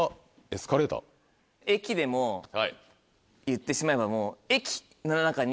駅でも言ってしまえばもう。